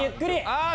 ああ！